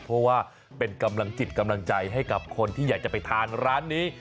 เพราะว่าเป็นกำลังจิตกำลังใจให้กับคนที่อยากจะไปทานร้านนี้